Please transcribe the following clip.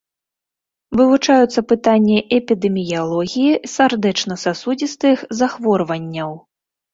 Вывучаюцца пытанні эпідэміялогіі сардэчна-сасудзістых захворванняў.